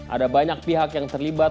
ada banyak pihak yang terlibat